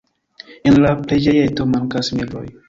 En la preĝejeto mankas mebloj.